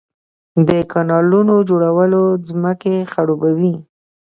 د کانالونو جوړول ځمکې خړوبوي.